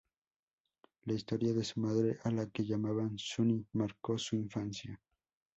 La historia de su madre, a la que llamaban "Sunny", marcó su infancia.